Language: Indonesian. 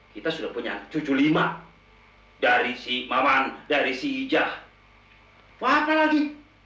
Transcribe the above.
kita sudah punya cucu lima dari si maman dari si hijah mana lagi